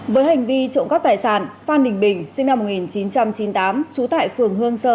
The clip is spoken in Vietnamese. với hành vi trộm cắp tài sản phan đình bình sinh năm một nghìn chín trăm chín mươi tám trú tại phường hương sơ